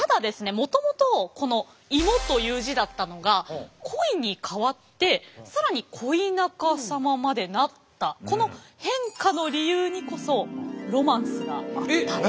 もともとこの芋という字だったのが恋に変わって更に恋中様までなったこの変化の理由にこそロマンスがあったんです。